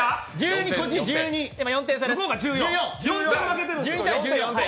４点差です。